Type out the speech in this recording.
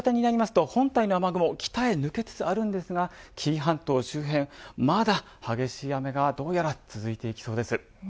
夕方になりますと、本体の雨雲北へ抜けつつあるんですが紀伊半島周辺、まだ激しい雨がどうやら続いていきそうです。